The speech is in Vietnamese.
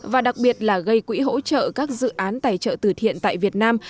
và đặc biệt là gây quỹ hỗ trợ các dự án tài trợ từ thiện tại việt nam